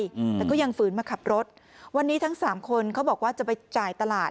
อืมแต่ก็ยังฝืนมาขับรถวันนี้ทั้งสามคนเขาบอกว่าจะไปจ่ายตลาด